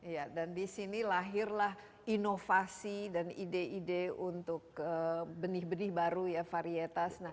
ya dan disini lahirlah inovasi dan ide ide untuk benih benih baru ya varietas